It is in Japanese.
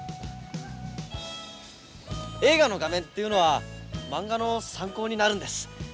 映画の画面っていうのはまんがの参考になるんです。